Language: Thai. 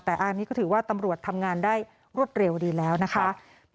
แต่อันนี้ก็ถือว่าตำรวจทำงานได้รวดเร็วดีแล้วนะคะ